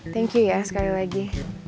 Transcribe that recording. thank you ya sekali lagi